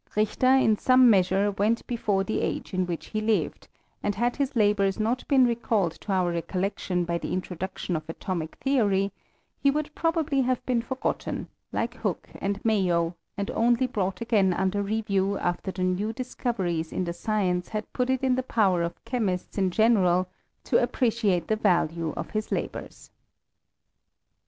Richter in some measure went before the age in which he lived, and had his labours not been recalled to our recollection by the introduction of atomic theory, he would probably have been for* gotten, like Hooke and Mayow, and only brought again under review after the new discoveries in the science had put it in the power of chemists in general to appreciate the value of his labours.